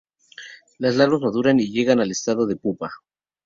Las larvas maduran y llegan al estado de pupa.